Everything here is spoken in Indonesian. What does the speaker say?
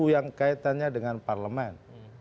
yang kaitannya dengan parlemen